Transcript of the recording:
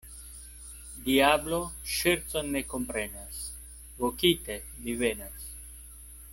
Diablo ŝercon ne komprenas, vokite li venas.